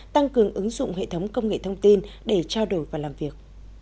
tăng cường ứng dụng hệ thống công nghệ thông tin để trao đổi và làm việc